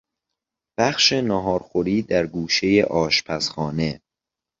بخش نهارخوری در گوشهی آشپزخانه